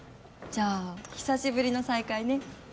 じゃあ久しぶりの再会ね。